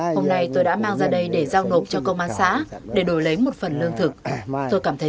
hôm nay tôi đã mang ra đây để giao nộp cho công an xã để đổi lấy một phần lương thực tôi cảm thấy